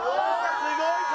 すごい体。